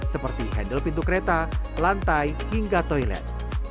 seperti handle pintu kereta lantai hingga toilet